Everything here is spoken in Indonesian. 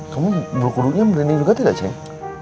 kamu bulu kuduknya merinding juga tidak ceng